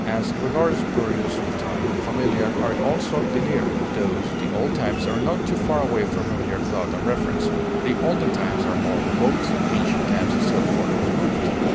As regards periods of time, the familiar are also the near; thus, the old times are not too far away for familiar thought and reference; the olden times are more remote, ancient times still further removed.